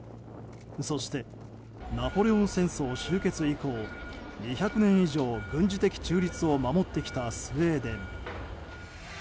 そして、ナポレオン戦争終結以降２００年以上、軍事的中立を守ってきたスウェーデン。